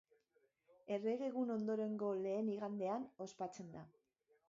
Errege Egun ondorengo lehen igandean ospatzen da.